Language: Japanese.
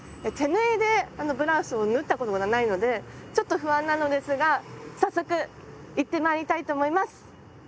手縫いでブラウスを縫ったことがないのでちょっと不安なのですが早速行ってまいりたいと思います！